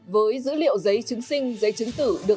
với dữ liệu giấy chứng sinh giấy chứng tử